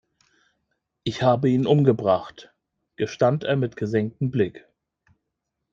Ich habe ihn umgebracht, gestand er mit gesenktem Blick.